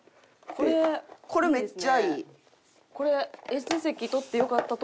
これめっちゃいい。